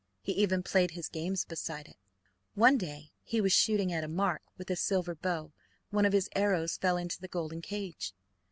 He even played his games beside it. One day he was shooting at a mark with a silver bow; one of his arrows fell into the golden cage.